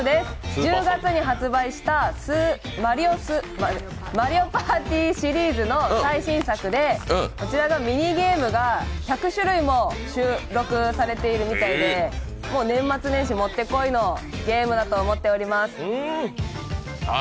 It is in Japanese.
１０月に発売したマリオパーティーシリーズの最新作でミニゲームが１００種類も収録されているみたいで年末年始もってこいのゲームだと思っております。